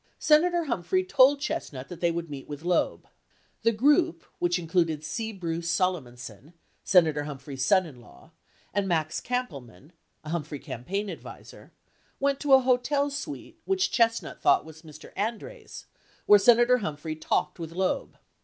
Senator Humphrey told Chestnut that they would meet with Loeb. The group, which included C. Bruce Solomonson, Senator Humphrey's son in law, and Max Kampelman, a Humphrey campaign advisor, went to a hotel suite which Chestnut thought was Mr. Andreas' where Senator Humphrey talked with Loeb.